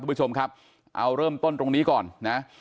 คุณผู้ชมครับเอาเริ่มต้นตรงนี้ก่อนนะ